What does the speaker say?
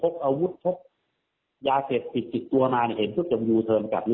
มันจะเกิดเหตุชนกัน